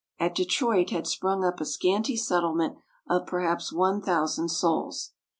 At Detroit had sprung up a scanty settlement of perhaps one thousand souls.